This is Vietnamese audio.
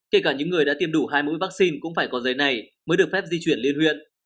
kể cả những người đã tiêm đủ hai mũi vaccine cũng phải có giấy này mới được phép di chuyển liên huyện